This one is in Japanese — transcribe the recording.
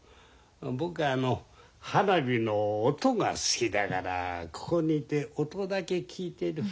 僕は花火の音が好きだからここにいて音だけ聞いてる。